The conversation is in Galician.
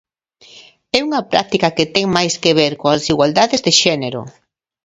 É unha práctica que ten máis que ver coas desigualdades de xénero.